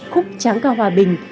khúc tráng cao hòa bình